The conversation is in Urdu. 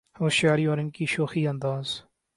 ہوشیاری اور ان کی شوخی انداز